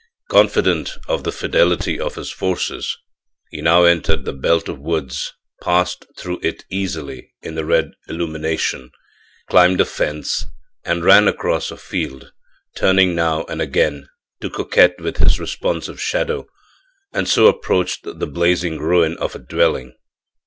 Confident of the fidelity of his forces, he now entered the belt of woods, passed through it easily in the red illumination, climbed a fence, ran across a field, turning now and again to coquet with his responsive shadow, and so approached the blazing ruin of a dwelling.